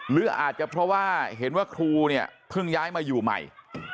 หรืออาจจะเพราะว่าเห็นว่าครูเนี่ยเพิ่งย้ายมาอยู่ใหม่